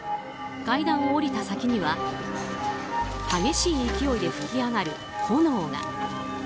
階段を降りた先には激しい勢いで噴き上がる炎が。